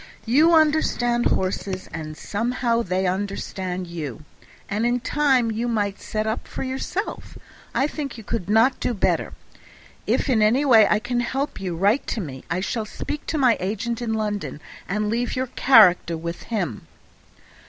You understand horses, and somehow they understand you, and in time you might set up for yourself; I think you could not do better. If in any way I can help you, write to me. I shall speak to my agent in London, and leave your character with him."